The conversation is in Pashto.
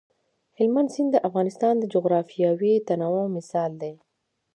هلمند سیند د افغانستان د جغرافیوي تنوع مثال دی.